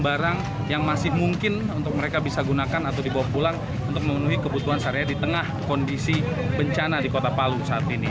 barang yang masih mungkin untuk mereka bisa gunakan atau dibawa pulang untuk memenuhi kebutuhan sehari hari di tengah kondisi bencana di kota palu saat ini